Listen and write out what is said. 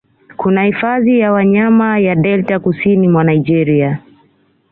Kuna hifadhi ya wanyama ya Delta kusini mwa Naigeria